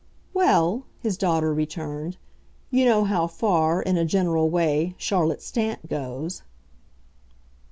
"Well," his daughter returned, "you know how far, in a general way, Charlotte Stant goes."